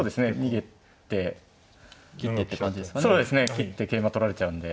切って桂馬取られちゃうんで。